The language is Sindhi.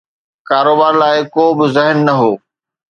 ڪاروبار لاءِ ڪو به ذهن نه هو.